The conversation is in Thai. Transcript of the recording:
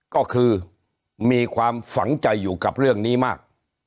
ก็คือมีความฝังใจอยู่กับเรื่องนี้มาก